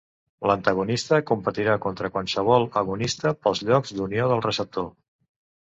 L'antagonista competirà contra qualsevol agonista pels llocs d'unió del receptor.